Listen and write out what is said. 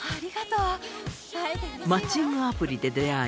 マッチングアプリで出会い